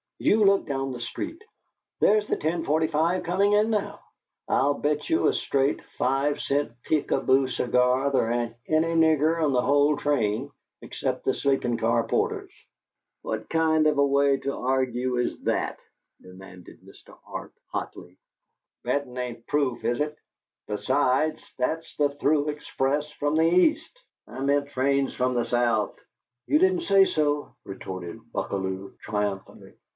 "You look down the street. There's the ten forty five comin' in now. I'll bet you a straight five cent Peek a Boo cigar there ain't ary nigger on the whole train, except the sleepin' car porters." "What kind of a way to argue is that?" demanded Mr. Arp, hotly. "Bettin' ain't proof, is it? Besides, that's the through express from the East. I meant trains from the South." "You didn't say so," retorted Buckalew, triumphantly.